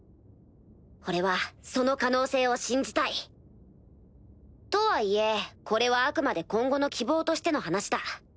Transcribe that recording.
俺はその可能性を信じたい。とはいえこれはあくまで今後の希望としての話だ。